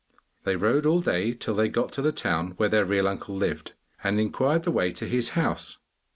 They rode all day till they got to the town where their real uncle lived, and inquired the way to his house.